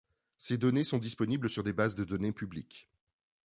Ces données sont disponibles sur des base de données publiques.